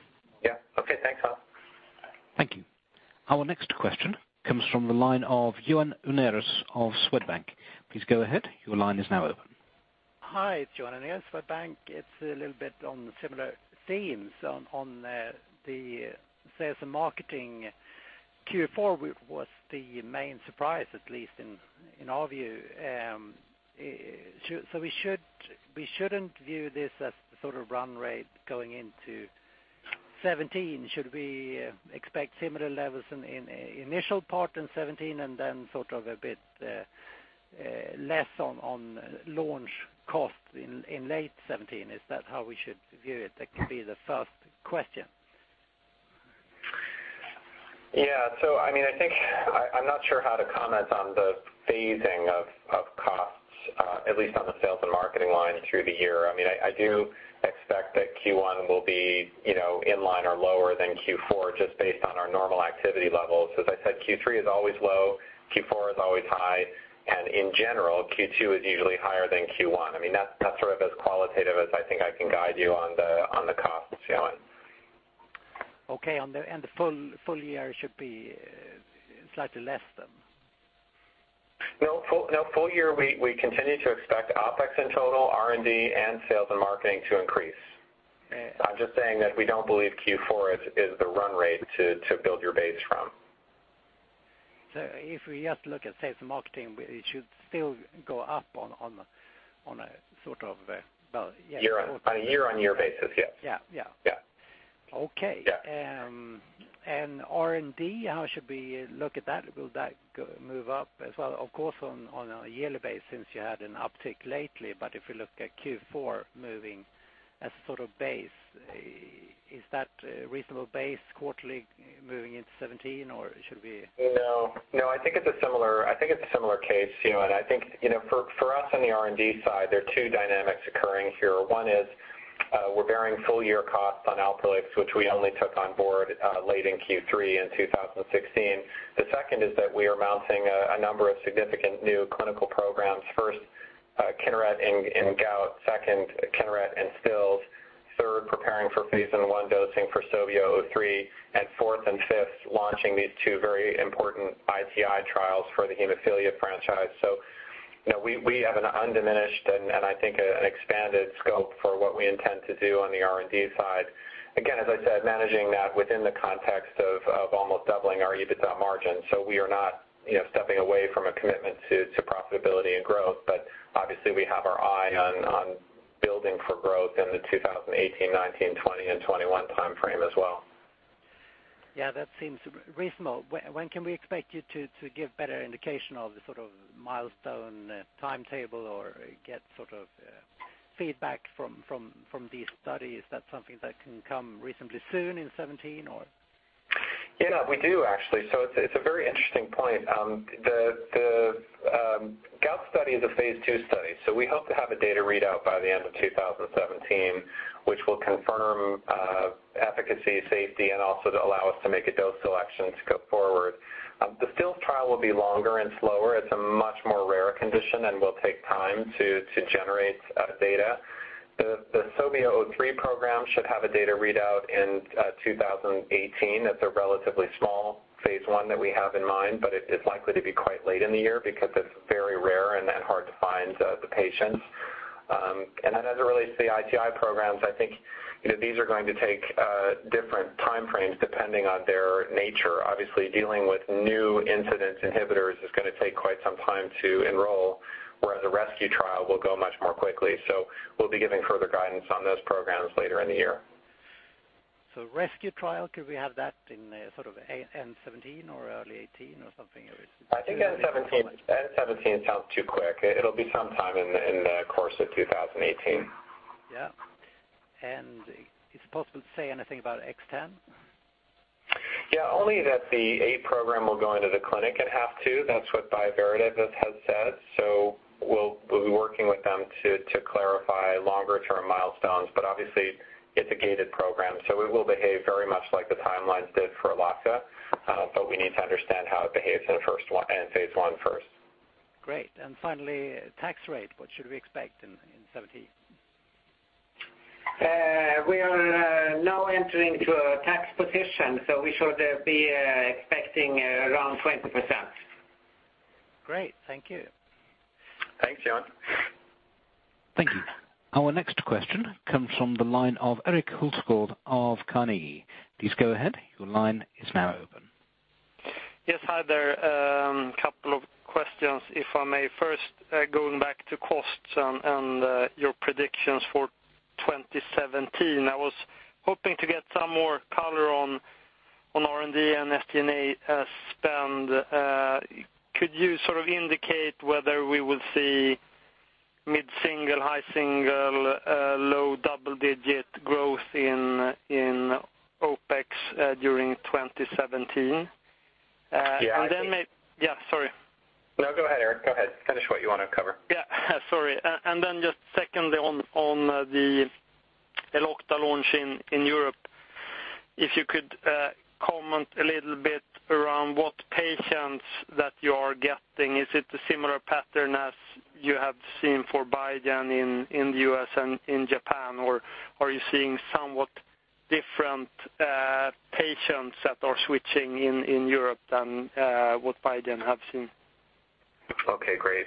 Yeah. Okay, thanks, Hans. Thank you. Our next question comes from the line of Johan Unnérus of Swedbank. Please go ahead. Your line is now open. Hi, it's Johan Unnérus, Swedbank. It's a little bit on similar themes on the sales and marketing. Q4 was the main surprise, at least in our view. We shouldn't view this as sort of run rate going into 2017. Should we expect similar levels in initial part in 2017 and then sort of a bit less on launch costs in late 2017? Is that how we should view it? That could be the first question. Yeah. I'm not sure how to comment on the phasing of costs, at least on the sales and marketing line through the year. I do expect that Q1 will be in line or lower than Q4 just based on our normal activity levels. As I said, Q3 is always low, Q4 is always high, and in general, Q2 is usually higher than Q1. That's sort of as qualitative as I think I can guide you on the costs, Johan. Okay. The full year should be slightly less then? No. Full year, we continue to expect OpEx in total, R&D, and sales and marketing to increase. Okay. I'm just saying that we don't believe Q4 is the run rate to build your base from. If we just look at sales and marketing, it should still go up on a sort of. On a year-on-year basis, yes. Yeah. Yeah. Okay. Yeah. R&D, how should we look at that? Will that move up as well? Of course, on a yearly base since you had an uptick lately, but if you look at Q4 moving as sort of base, is that a reasonable base quarterly moving into 2017? Or should we? No. I think it's a similar case, Johan. I think for us on the R&D side, there are two dynamics occurring here. One is we're bearing full-year costs on Alprolix, which we only took on board late in Q3 in 2016. The second is that we are mounting a number of significant new clinical programs. First, Kineret in gout. Second, Kineret in Stills. Third, preparing for phase I dosing for SOBI003. Fourth and fifth, launching these two very important ITI trials for the hemophilia franchise. We have an undiminished and I think an expanded scope for what we intend to do on the R&D side. Again, as I said, managing that within the context of almost doubling our EBITDA margin. We are not stepping away from a commitment to profitability and growth. Obviously, we have our eye on building for growth in the 2018, 2019, 2020, and 2021 timeframe as well. Yeah, that seems reasonable. When can we expect you to give better indication of the sort of milestone timetable or get sort of feedback from these studies? Is that something that can come reasonably soon in 2017 or? Yeah, we do actually. It's a very interesting point. The gout study is a phase II study, we hope to have a data readout by the end of 2017, which will confirm efficacy, safety, and also to allow us to make a dose selection to go forward. The field trial will be longer and slower. It's a much rarer condition and will take time to generate data. The SOBI003 program should have a data readout in 2018. That's a relatively small phase I that we have in mind, but it's likely to be quite late in the year because it's very rare and hard to find the patients. As it relates to the ITI programs, I think these are going to take different time frames depending on their nature. Obviously, dealing with new incidence inhibitors is going to take quite some time to enroll, whereas a rescue trial will go much more quickly. We'll be giving further guidance on those programs later in the year. Rescue trial, could we have that in end 2017 or early 2018 or something? I think end 2017 sounds too quick. It'll be sometime in the course of 2018. Yeah. Is it possible to say anything about XTEN? Yeah, only that the A program will go into the clinic at phase II. That's what Bioverativ has said. We'll be working with them to clarify longer-term milestones. Obviously, it's a gated program, it will behave very much like the timelines did for Elocta, we need to understand how it behaves in phase I first. Great. Finally, tax rate. What should we expect in 2017? We are now entering to a tax position, we should be expecting around 20%. Great. Thank you. Thanks, Johan. Thank you. Our next question comes from the line of Erik Hultgård of Carnegie. Please go ahead. Your line is now open. Yes, hi there. A couple of questions, if I may first. Going back to costs and your predictions for 2017, I was hoping to get some more color on R&D and SG&A spend. Could you sort of indicate whether we will see mid-single, high single, low double-digit growth in OpEx during 2017? Yeah. Yeah, sorry. No, go ahead, Erik. Go ahead. Finish what you want to cover. Yeah, sorry. Then just secondly on the Elocta launch in Europe, if you could comment a little bit around what patients that you are getting. Is it a similar pattern as you have seen for Biogen in the U.S. and in Japan, or are you seeing somewhat different patients that are switching in Europe than what Biogen have seen? Okay, great.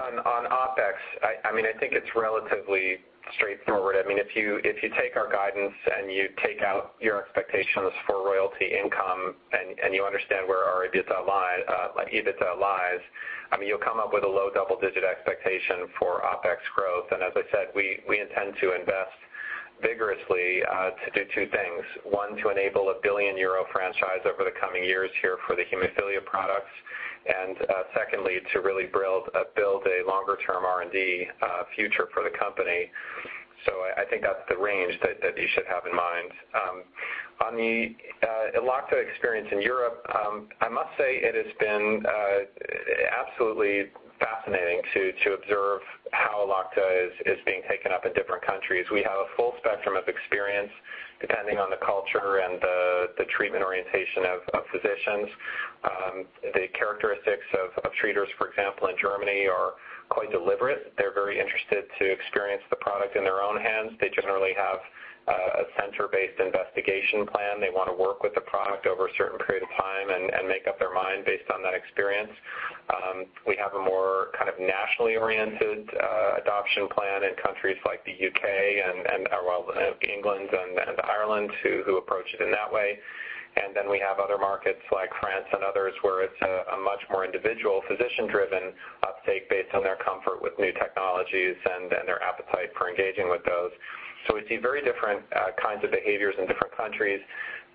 On OpEx, I think it's relatively straightforward. If you take our guidance and you take out your expectations for royalty income and you understand where our EBITDA lies, you'll come up with a low double-digit expectation for OpEx growth. As I said, we intend to invest vigorously to do two things. One, to enable a billion-euro franchise over the coming years here for the hemophilia products. And secondly, to really build a longer-term R&D future for the company. I think that's the range that you should have in mind. On the Elocta experience in Europe, I must say it has been absolutely fascinating to observe how Elocta is being taken up in different countries. We have a full spectrum of experience, depending on the culture and the treatment orientation of physicians. The characteristics of treaters, for example, in Germany are quite deliberate. They're very interested to experience the product in their own hands. They generally have a center-based investigation plan. They want to work with the product over a certain period of time and make up their mind based on that experience. We have a more kind of nationally oriented adoption plan in countries like the U.K. and England and Ireland who approach it in that way. Then we have other markets like France and others where it's a much more individual physician-driven uptake based on their comfort with new technologies and their appetite for engaging with those. We see very different kinds of behaviors in different countries.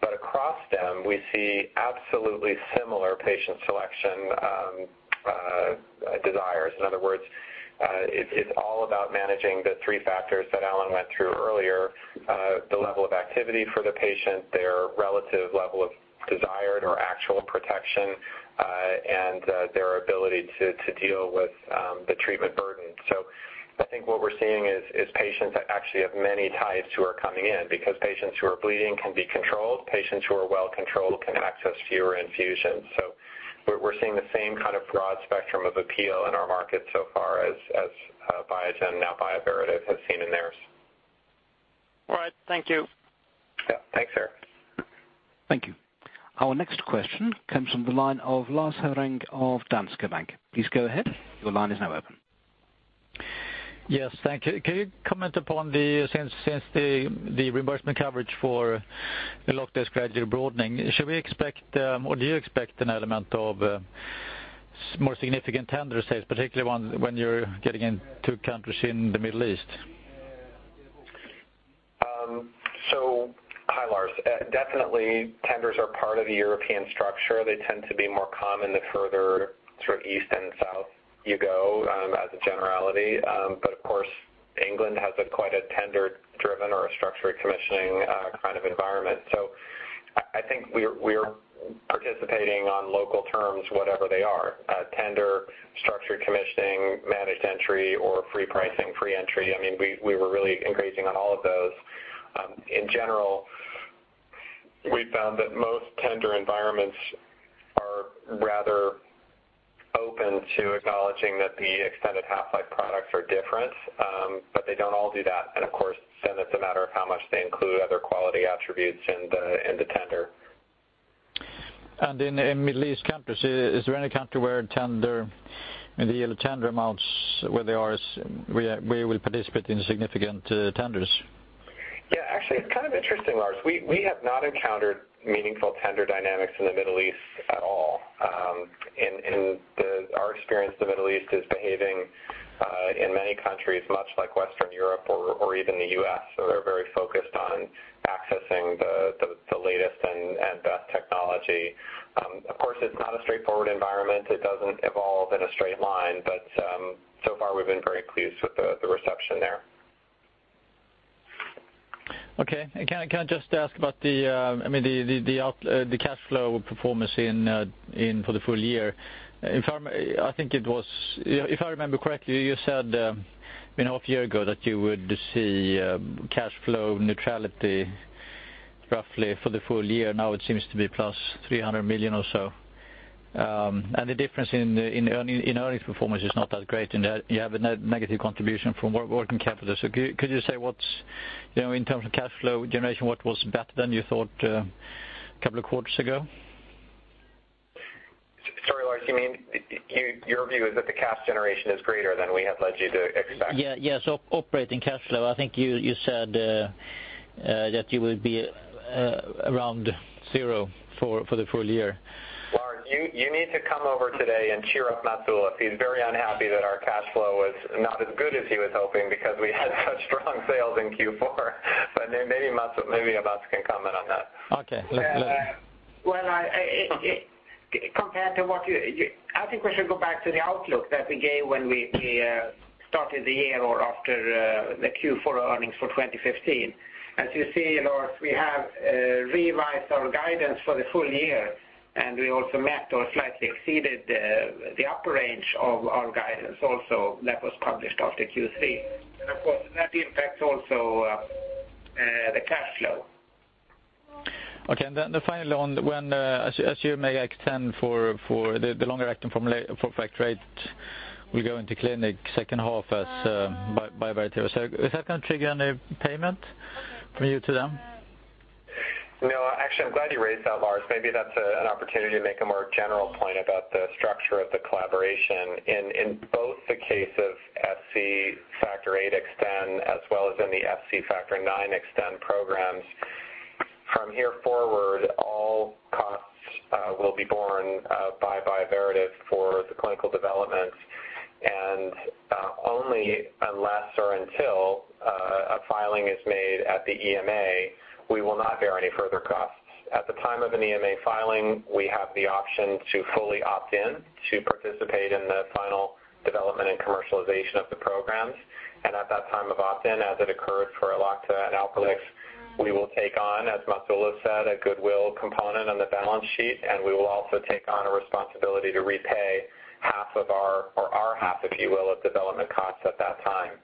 Across them, we see absolutely similar patient selection desires. In other words, it's all about managing the three factors that Alan went through earlier. The level of activity for the patient, their relative level of desired or actual protection, and their ability to deal with the treatment burden. I think what we're seeing is patients actually of many types who are coming in because patients who are bleeding can be controlled. Patients who are well-controlled can access fewer infusions. We're seeing the same kind of broad spectrum of appeal in our market so far as Biogen, now Bioverativ, has seen in theirs. All right. Thank you. Yeah. Thanks, Erik. Thank you. Our next question comes from the line of Lars Hevreng of Danske Bank. Please go ahead. Your line is now open. Yes, thank you. Can you comment upon the sales since the reimbursement coverage for Elocta is gradually broadening. Should we expect, or do you expect an element of more significant tender sales, particularly when you're getting into countries in the Middle East? Hi, Lars. Definitely, tenders are part of the European structure. They tend to be more common the further east and south you go as a generality. Of course, England has quite a tender-driven or a structured commissioning kind of environment. I think we're participating on local terms, whatever they are. Tender, structured commissioning, managed entry, or free pricing, free entry. We were really increasing on all of those. In general, we found that most tender environments are rather open to acknowledging that the extended half-life products are different, but they don't all do that. Of course, then it's a matter of how much they include other quality attributes in the tender. In Middle East countries, is there any country where the tender amounts where we will participate in significant tenders? Yeah. Actually, it's kind of interesting, Lars Sauren. We have not encountered meaningful tender dynamics in the Middle East at all. In our experience, the Middle East is behaving, in many countries, much like Western Europe or even the U.S. They're very focused on accessing the latest and best technology. Of course, it's not a straightforward environment. It doesn't evolve in a straight line. So far, we've been very pleased with the reception there. Okay. Can I just ask about the cash flow performance for the full year? If I remember correctly, you said half a year ago that you would see cash flow neutrality roughly for the full year. Now it seems to be plus 300 million or so. The difference in earnings performance is not that great, and you have a negative contribution from working capital. Could you say in terms of cash flow generation, what was better than you thought a couple of quarters ago? Sorry, Lars Sauren, you mean your view is that the cash generation is greater than we have led you to expect? Yeah. Operating cash flow, I think you said that you would be around zero for the full year. Lars, you need to come over today and cheer up Mats-Olof. He's very unhappy that our cash flow was not as good as he was hoping because we had such strong sales in Q4. Maybe Mats-Olof can comment on that. Okay. I think we should go back to the outlook that we gave when we started the year or after the Q4 earnings for 2015. You see, Lars, we have revised our guidance for the full year, we also met or slightly exceeded the upper range of our guidance also that was published after Q3. Of course, that impacts also the cash flow. Okay. Finally, as you make XTEN for the longer-acting factor VIII will go into clinic second half as Bioverativ. Is that going to trigger any payment from you to them? No, actually, I'm glad you raised that, Lars. Maybe that's an opportunity to make a more general point about the structure of the collaboration. In both the case of sub-Q factor VIII XTEN as well as in the sub-Q factor IX XTEN programs, from here forward, all costs will be borne by Bioverativ for the clinical development, only unless or until a filing is made at the EMA, we will not bear any further costs. At the time of an EMA filing, we have the option to fully opt in to participate in the final development and commercialization of the programs. At that time of opt-in, as it occurred for Elocta and Alprolix, we will take on, as Mats-Olof said, a goodwill component on the balance sheet, and we will also take on a responsibility to repay our half, if you will, of development costs at that time.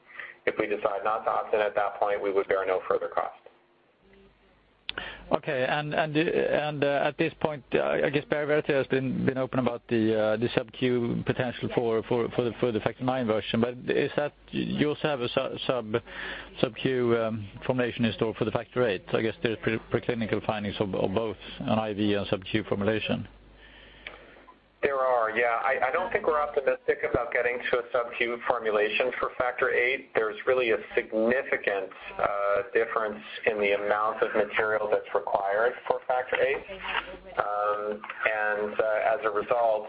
If we decide not to opt in at that point, we would bear no further cost. Okay. At this point, I guess Bioverativ has been open about the sub-Q potential for the factor IX version. You also have a sub-Q formulation in store for the factor VIII. I guess there's preclinical findings of both an IV and sub-Q formulation. There are, yeah. I don't think we're optimistic about getting to a sub-Q formulation for factor VIII. There's really a significant difference in the amount of material that's required for factor VIII. As a result,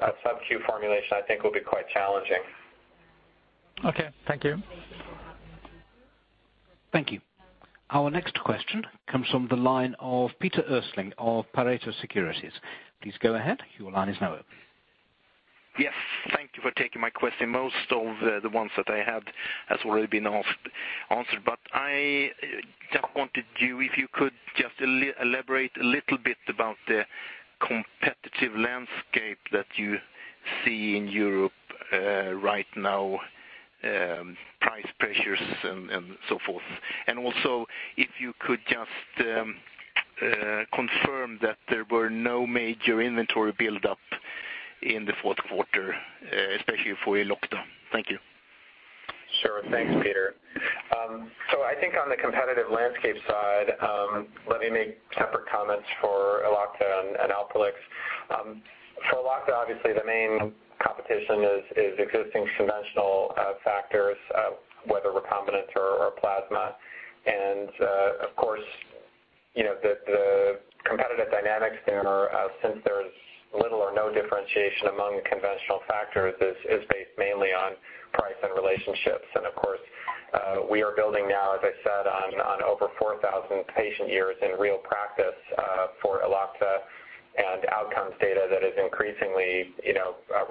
a sub-Q formulation, I think, will be quite challenging. Okay. Thank you. Thank you. Our next question comes from the line of Peter Östling of Pareto Securities. Please go ahead. Your line is now open. Yes. Thank you for taking my question. Most of the ones that I had has already been answered. I just wanted you, if you could, just elaborate a little bit about the competitive landscape that you see in Europe right now, price pressures and so forth. If you could just confirm that there were no major inventory buildup in the fourth quarter, especially for Elocta. Thank you. Sure. Thanks, Peter. I think on the competitive landscape side, let me make separate comments for Elocta and Alprolix. For Elocta, obviously, the main competition is existing conventional factors, whether recombinant or plasma. Of course, the competitive dynamics there, since there's little or no differentiation among conventional factors, is based mainly on price and relationships. Of course, we are building now, as I said, on over 4,000 patient years in real practice for Elocta and outcomes data that is increasingly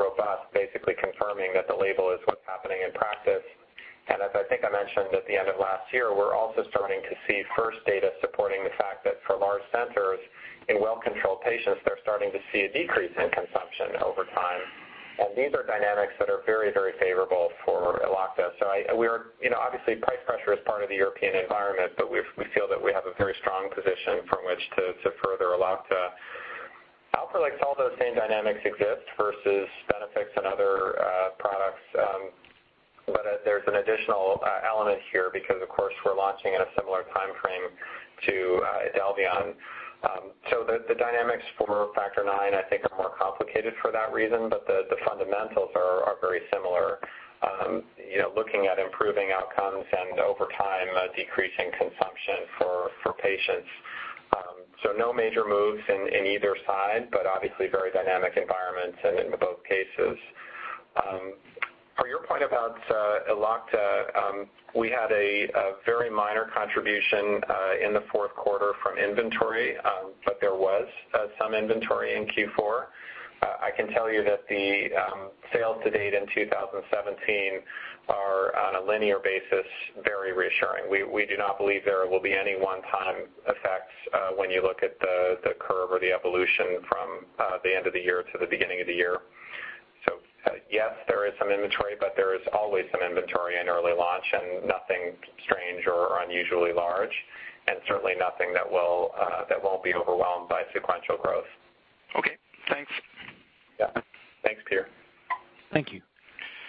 robust, basically confirming that the label is what's happening in practice. As I think I mentioned at the end of last year, we're also starting to see first data supporting the fact that for large centers in well-controlled patients, they're starting to see a decrease in consumption over time. These are dynamics that are very, very favorable for Elocta. Obviously, price pressure is part of the European environment, but we feel that we have a very strong position from which to further Elocta. Alprolix, all those same dynamics exist versus BeneFIX and other products, but there's an additional element here because, of course, we're launching in a similar timeframe to IDELVION. The dynamics for factor IX, I think, are more complicated for that reason, but the fundamentals are very similar. Looking at improving outcomes and over time, decreasing consumption for patients. No major moves in either side, but obviously very dynamic environments and in both cases. For your point about Elocta, we had a very minor contribution in the fourth quarter from inventory, but there was some inventory in Q4. I can tell you that the sales to date in 2017 are on a linear basis, very reassuring. We do not believe there will be any one-time effects when you look at the curve or the evolution from the end of the year to the beginning of the year. Yes, there is some inventory, but there is always some inventory in early launch and nothing strange or unusually large, and certainly nothing that won't be overwhelmed by sequential growth. Okay, thanks. Yeah. Thanks, Peter. Thank you.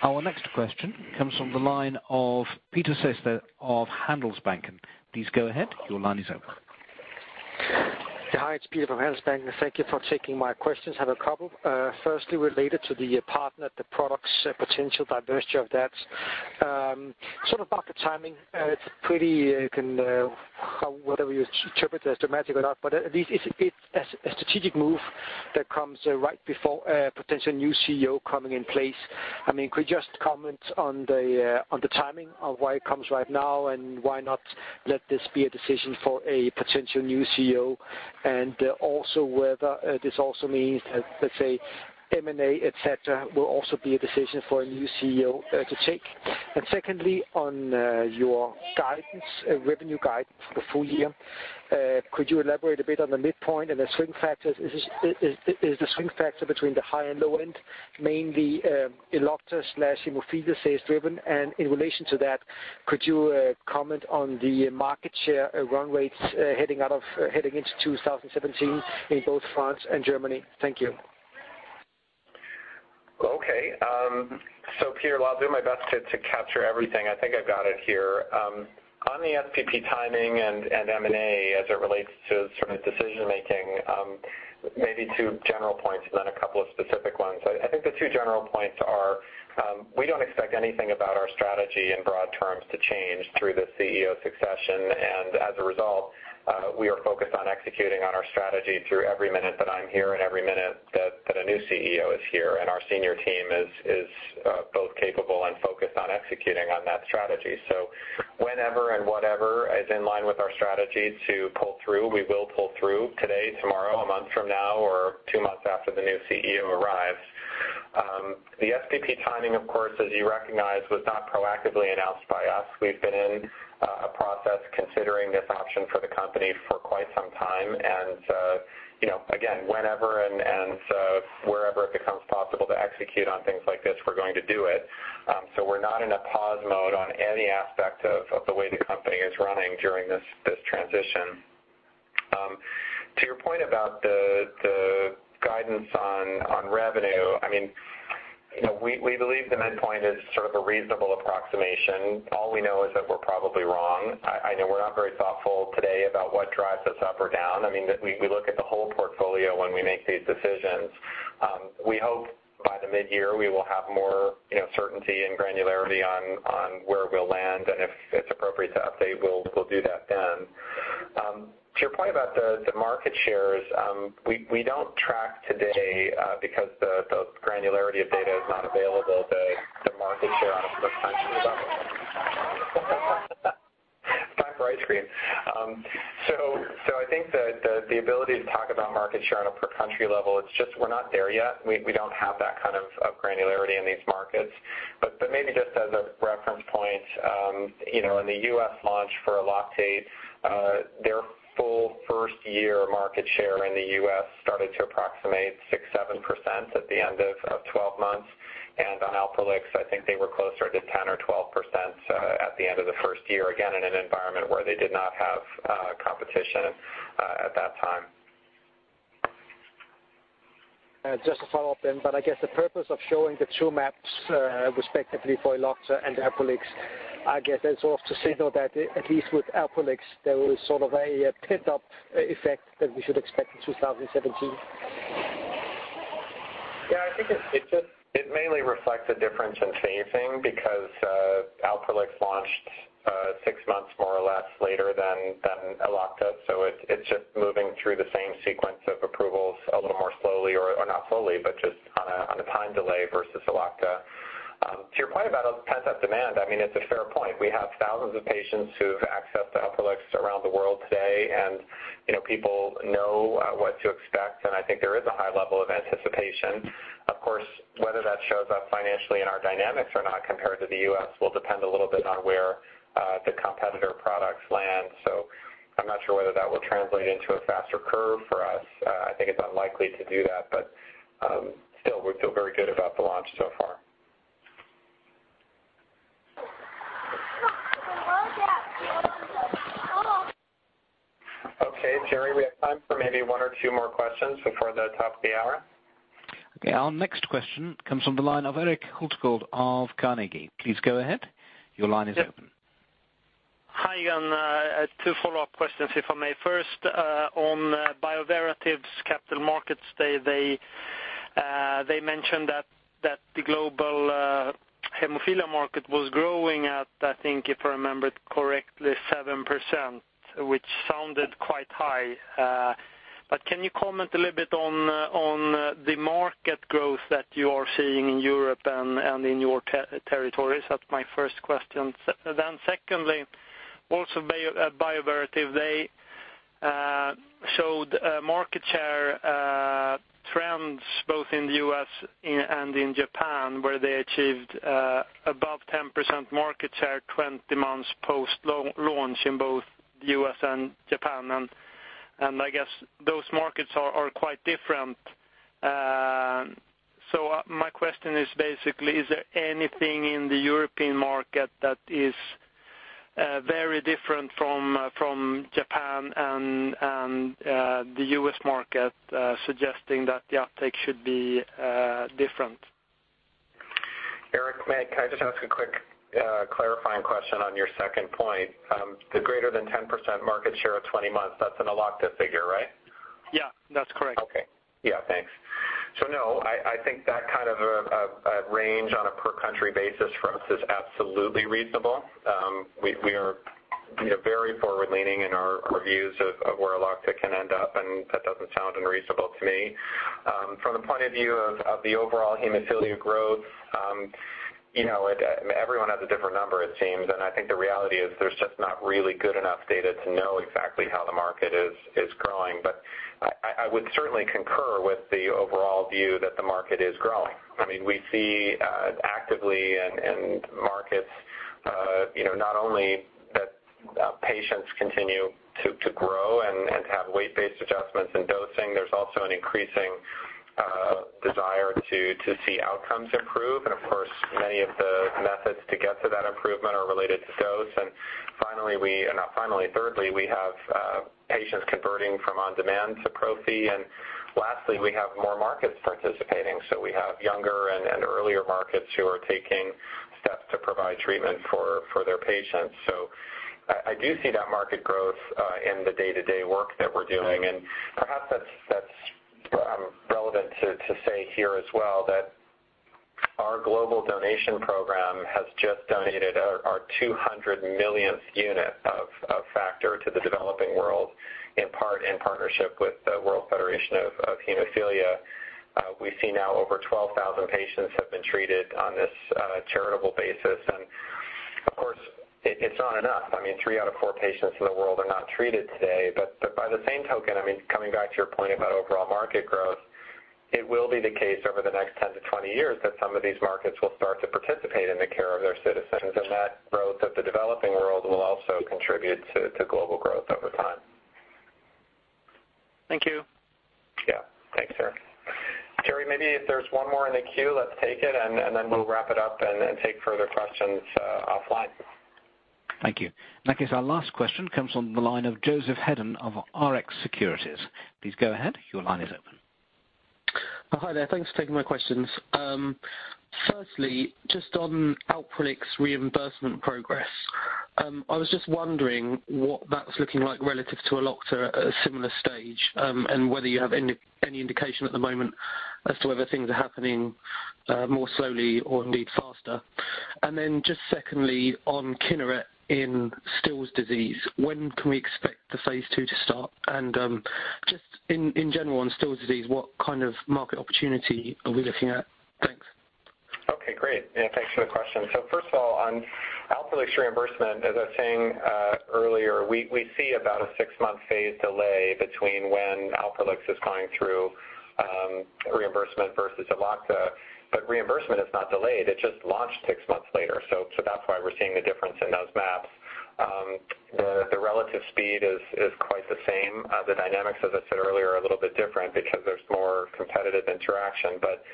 Our next question comes from the line of Peter Sehested of Handelsbanken. Please go ahead. Your line is open. Hi, it's Peter from Handelsbanken. Thank you for taking my questions, have a couple. Firstly, related to the partner, the products potential diversity of that. Sort of about the timing. It's pretty, whether you interpret it as dramatic or not, but at least it's a strategic move that comes right before a potential new CEO coming in place. Could you just comment on the timing of why it comes right now, and why not let this be a decision for a potential new CEO? Also whether this also means, let's say M&A, et cetera, will also be a decision for a new CEO to take. Secondly, on your revenue guidance for the full year. Could you elaborate a bit on the midpoint and the swing factors? Is the swing factor between the high and low end mainly Elocta/hemophilia sales driven? In relation to that, could you comment on the market share run rates heading into 2017 in both France and Germany? Thank you. Okay. Pierre, I'll do my best to capture everything. I think I've got it here. On the SPP timing and M&A as it relates to decision-making, maybe two general points and then a couple of specific ones. I think the two general points are, we don't expect anything about our strategy in broad terms to change through the CEO succession. As a result, we are focused on executing on our strategy through every minute that I'm here and every minute that a new CEO is here, and our senior team is both capable and focused on executing on that strategy. Whenever and whatever is in line with our strategy to pull through, we will pull through today, tomorrow, a month from now, or two months after the new CEO arrives. The SPP timing, of course, as you recognize, was not proactively announced by us. We've been in a process considering this option for the company for quite some time. Again, whenever and wherever it becomes possible to execute on things like this, we're going to do it. We're not in a pause mode on any aspect of the way the company is running during this transition. To your point about the guidance on revenue, we believe the midpoint is sort of a reasonable approximation. All we know is that we're probably wrong. I know we're not very thoughtful today about what drives us up or down. We look at the whole portfolio when we make these decisions. We hope by the mid-year we will have more certainty and granularity on where we'll land, and if it's appropriate to update, we'll do that then. To your point about the market shares, we don't track today because the granularity of data is not available to the market share on a per country time. I think that the ability to talk about market share on a per country level, it's just we're not there yet. We don't have that kind of granularity in these markets. But maybe just as a reference point, in the U.S. launch for ELOCTATE, their full first-year market share in the U.S. started to approximate 6%-7% at the end of 12 months. On Alprolix, I think they were closer to 10% or 12% at the end of the first year, again, in an environment where they did not have competition at that time. Just to follow up then, I guess the purpose of showing the two maps respectively for Elocta and Alprolix, I guess it's all to signal that at least with Alprolix, there was sort of a pent-up effect that we should expect in 2017. I think it mainly reflects a difference in phasing because Alprolix launched 6 months, more or less, later than Elocta. It's just moving through the same sequence of approvals a little more slowly, or not slowly, but just on a time delay versus Elocta. To your point about pent-up demand, it's a fair point. We have thousands of patients who have access to Alprolix around the world today, and people know what to expect, and I think there is a high level of anticipation. Of course, whether that shows up financially in our dynamics or not compared to the U.S. will depend a little bit on where the competitor products land. I'm not sure whether that will translate into a faster curve for us. I think it's unlikely to do that, but still, we feel very good about the launch so far. Okay, Jerry, we have time for maybe one or two more questions before the top of the hour. Okay. Our next question comes from the line of Erik Hulshof of Carnegie. Please go ahead. Your line is open. Hi, Alan. Two follow-up questions, if I may. First, on Bioverativ's capital markets day, they mentioned that the global hemophilia market was growing at, I think if I remember correctly, 7%, which sounded quite high. Can you comment a little bit on the market growth that you are seeing in Europe and in your territories? That's my first question. Secondly, also Bioverativ, they showed market share trends both in the U.S. and in Japan, where they achieved above 10% market share 20 months post-launch in both the U.S. and Japan. I guess those markets are quite different. My question is basically, is there anything in the European market that is very different from Japan and the U.S. market suggesting that the uptake should be different? Erik, may I just ask a quick clarifying question on your second point? The greater than 10% market share at 20 months, that's an Elocta figure, right? Yeah, that's correct. Okay. Yeah, thanks. No, I think that kind of a range on a per country basis for us is absolutely reasonable. We are very forward-leaning in our views of where Elocta can end up, and that doesn't sound unreasonable to me. From the point of view of the overall hemophilia growth, everyone has a different number it seems, and I think the reality is there's just not really good enough data to know exactly how the market is growing. I would certainly concur with the overall view that the market is growing. I mean, we see actively in markets not only that patients continue to grow and to have weight-based adjustments in dosing, there's also an increasing desire to see outcomes improve. Of course, many of the methods to get to that improvement are related to dose. Thirdly, we have patients converting from on-demand to prophy, and lastly, we have more markets participating. We have younger and earlier markets who are taking steps to provide treatment for their patients. I do see that market growth in the day-to-day work that we're doing, and perhaps that's relevant to say here as well that our global donation program has just donated our 200 millionth unit of factor to the developing world in partnership with the World Federation of Hemophilia. We see now over 12,000 patients have been treated on this charitable basis. Of course, it's not enough. I mean, three out of four patients in the world are not treated today. By the same token, coming back to your point about overall market growth, it will be the case over the next 10 to 20 years that some of these markets will start to participate in the care of their citizens. That growth of the developing world will also contribute to global growth over time. Thank you. Yeah. Thanks, Erik. Jerry, maybe if there's one more in the queue, let's take it, then we'll wrap it up and take further questions offline. Thank you. In that case, our last question comes from the line of Joseph Hedden of Rx Securities. Please go ahead. Your line is open. Hi there. Thanks for taking my questions. Firstly, just on Alprolix reimbursement progress. I was just wondering what that's looking like relative to Elocta at a similar stage, whether you have any indication at the moment as to whether things are happening more slowly or indeed faster. Secondly, on Kineret in Still's disease, when can we expect the phase II to start? Just in general on Still's disease, what kind of market opportunity are we looking at? Thanks. Okay, great. Yeah, thanks for the question. First of all, on Alprolix reimbursement, as I was saying earlier, we see about a six-month phase delay between when Alprolix is going through reimbursement versus Elocta. Reimbursement is not delayed, it just launched six months later. That's why we're seeing the difference in those maps. The relative speed is quite the same. The dynamics, as I said earlier, are a little bit different because there's more competitive interaction, but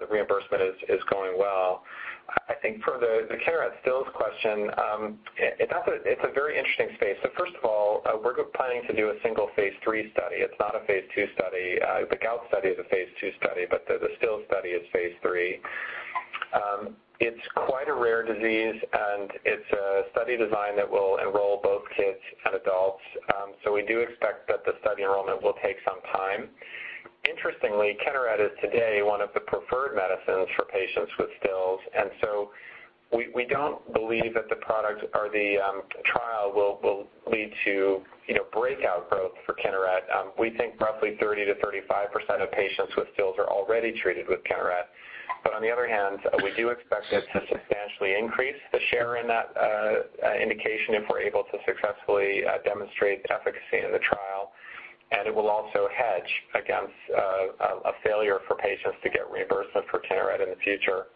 the reimbursement is going well. I think for the Kineret Still's question, it's a very interesting space. First of all, we're planning to do a single phase III study. It's not a phase II study. The gout study is a phase II study, the Still's study is phase III. It's quite a rare disease, it's a study design that will enroll both kids and adults. We do expect that the study enrollment will take some time. Interestingly, Kineret is today one of the preferred medicines for patients with Still's disease, we don't believe that the trial will lead to breakout growth for Kineret. We think roughly 30%-35% of patients with Still's disease are already treated with Kineret. On the other hand, we do expect it to substantially increase the share in that indication if we're able to successfully demonstrate the efficacy of the trial. It will also hedge against a failure for patients to get reimbursement for Kineret in the future.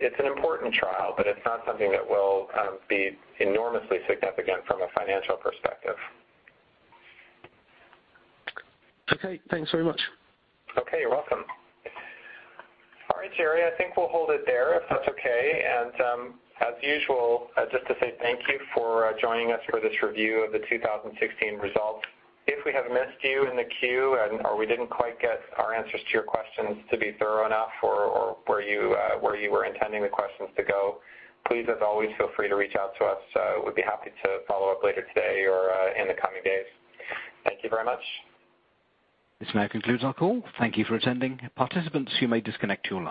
It's an important trial, but it's not something that will be enormously significant from a financial perspective. Okay, thanks very much. Okay, you're welcome. All right, Jerry. I think we'll hold it there if that's okay. As usual, just to say thank you for joining us for this review of the 2016 results. If we have missed you in the queue or we didn't quite get our answers to your questions to be thorough enough or where you were intending the questions to go, please, as always, feel free to reach out to us. We'd be happy to follow up later today or in the coming days. Thank you very much. This now concludes our call. Thank you for attending. Participants, you may disconnect your lines.